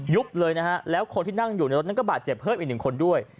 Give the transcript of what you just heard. เลยนะฮะแล้วคนที่นั่งอยู่ในรถนั้นก็บาดเจ็บเพิ่มอีกหนึ่งคนด้วย